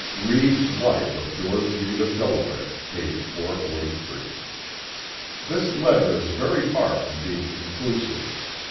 (Read's Life of George Read of Delaware p. 443.) This letter is very far from being conclusive.